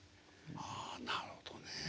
はあなるほどねえ。